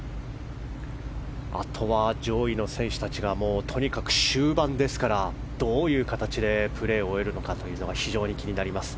あとは上位の選手たちがとにかく終盤ですからどういう形でプレーを終えるのかが非常に気になります。